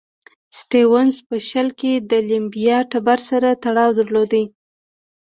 سټیونز په شل کې د لیمبا ټبر سره تړاو درلود.